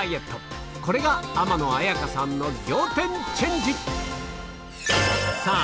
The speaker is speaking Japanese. これが天野彩香さんの仰天チェンジさぁ